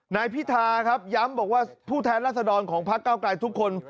นายพิธาครับย้ำบอกว่าผู้แทนรัศดรของพักเก้าไกลทุกคน